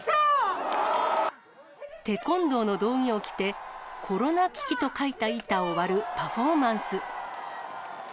テコンドーの胴着を着て、コロナ危機と書いた板を割るパフォーマンス。